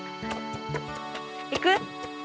行く？